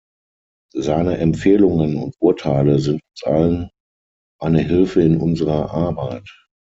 Seine Empfehlungen und Urteile sind uns allen eine Hilfe in unserer Arbeit.